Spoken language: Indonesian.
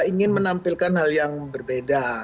ingin menampilkan hal yang berbeda